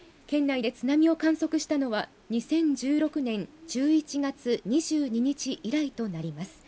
県内で津波を観測したのは２０１６年１１月２２日以来となります。